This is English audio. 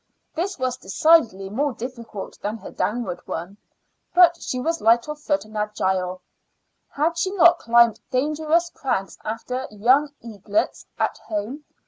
This was decidedly more difficult than her downward one; but she was light of foot and agile. Had she not climbed dangerous crags after young eaglets at home?